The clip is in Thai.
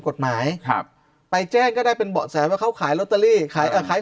กฎหมายครับไปแจ้งก็ได้เป็นเบาะแสว่าเขาขายลอตเตอรี่ขายเอ่อขาย